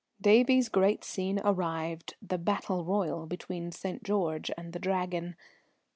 Davie's great scene arrived: the battle royal between St. George and the Dragon.